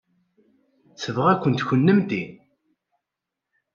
Tebɣa-kent kennemti.